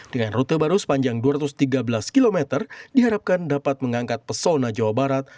dengan rute baru sepanjang dua ratus tiga belas km diharapkan dapat mengangkat pesona jawa barat